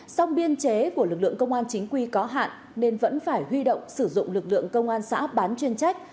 song biên chế của lực lượng công an chính quy có hạn nên vẫn phải huy động sử dụng lực lượng công an xã bán chuyên trách